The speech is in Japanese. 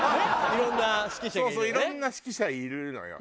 いろんな指揮者いるのよ。